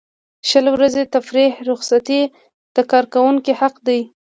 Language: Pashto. شل ورځې تفریحي رخصتۍ د کارکوونکي حق دی.